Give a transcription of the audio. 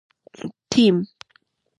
ټیم